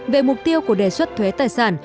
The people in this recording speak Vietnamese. về mục tiêu của đề xuất thuế tài sản